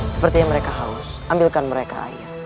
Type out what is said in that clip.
sepertinya mereka halus ambilkan mereka air